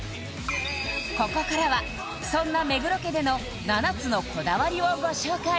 ここからはそんな目黒家での７つのこだわりをご紹介